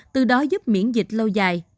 từ đó giúp miễn dịch lâu dài